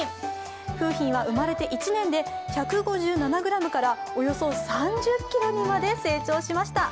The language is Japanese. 楓浜は生まれて１年で１５０ｇからおよそ３０ｋｇにまで成長しました。